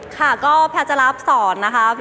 ค่ะก็แพลวจะรับสอนนะครับ